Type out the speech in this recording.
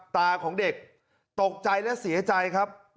ตาของเด็กตกใจและเสียใจครับ